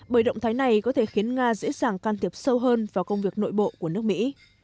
bởi động thái này có thể khiến nga dễ dàng can thiệp sâu hơn vào công việc nội bộ của nước mỹ